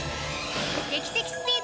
劇的スピード！